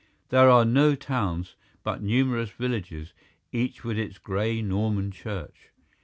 There are no towns, but numerous villages, each with its grey Norman church.